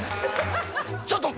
ちょっと！